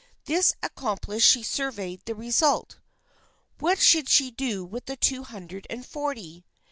This ac complished, she surveyed the result. What should she do with the two hundred and forty?